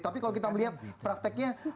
tapi kalau kita melihat prakteknya